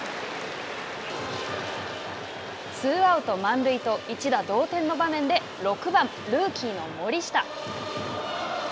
ツーアウト、満塁と一打同点の場面で６番ルーキーの森下。